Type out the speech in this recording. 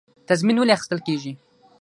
تضمین ولې اخیستل کیږي؟